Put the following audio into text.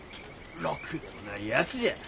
ろくでもないやつじゃ。